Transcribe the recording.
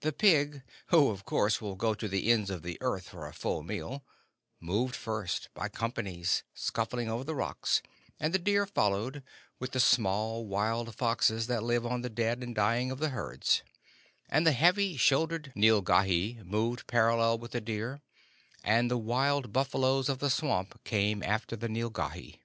The pig who, of course, will go to the ends of the earth for a full meal moved first by companies, scuffling over the rocks, and the deer followed, with the small wild foxes that live on the dead and dying of the herds; and the heavy shouldered nilghai moved parallel with the deer, and the wild buffaloes of the swamps came after the nilghai.